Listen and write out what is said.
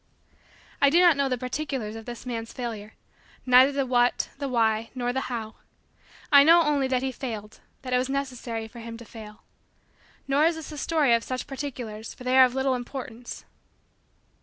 I do not know the particulars of this man's failure neither the what, the why, nor the how. I know only that he failed that it was necessary for him to fail. Nor is this a story of such particulars for they are of little importance.